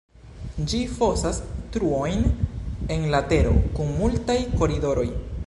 Ĝi fosas truojn en la tero kun multaj koridoroj.